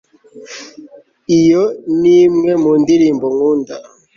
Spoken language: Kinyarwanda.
iyo ni imwe mu ndirimbo nkunda